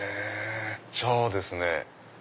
じゃあですね